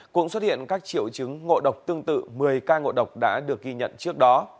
cũng xuất hiện các triệu chứng ngộ độc tương tự một mươi ca ngộ độc đã được ghi nhận trước đó